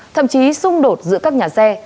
thậm chí xung đột giữa các nhà xe